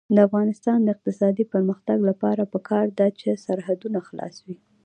د افغانستان د اقتصادي پرمختګ لپاره پکار ده چې سرحدونه خلاص وي.